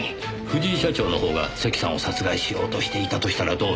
藤井社長の方が関さんを殺害しようとしていたとしたらどうでしょう？